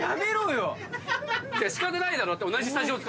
仕方ないだろ。